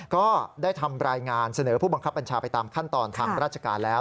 ก็ได้ทำรายงานเสนอผู้บังคับบัญชาไปตามขั้นตอนทางราชการแล้ว